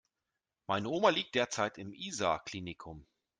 Meine Oma liegt derzeit im Isar Klinikum.